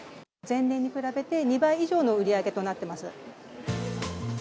前年に比べて、２倍以上の売り上げとなってます。